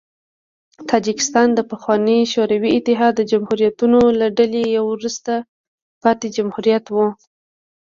تاجکستان د پخواني شوروي اتحاد د جمهوریتونو له ډلې یو وروسته پاتې جمهوریت و.